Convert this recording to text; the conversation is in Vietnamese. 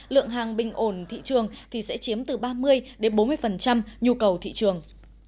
lượng hàng bình ổn thị trường thì sẽ chiếm từ ba mươi đến bốn mươi nhu cầu thị trường